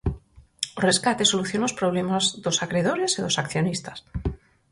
O rescate soluciona os problemas dos acredores e dos accionistas.